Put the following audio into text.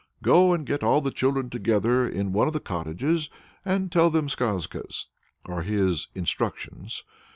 "Go and get all the children together in one of the cottages and tell them skazkas," are his instructions.